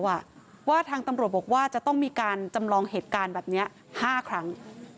ว่าทางตำรวจบอกว่าจะต้องมีการจำลองเหตุการณ์แบบนี้๕ครั้ง